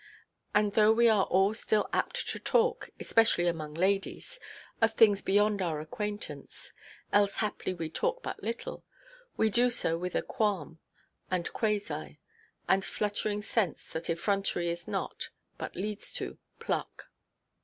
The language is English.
And though we are all still apt to talk, especially among ladies, of things beyond our acquaintance—else haply we talk but little—we do so with a qualm, and quasi, and fluttering sense that effrontery is not—but leads to—"pluck."